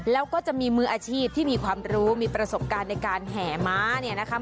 แล้วก็จะมีมืออาชีพที่มีความรู้มีประสบการณ์ในการแห่ม้าเนี่ยนะคะ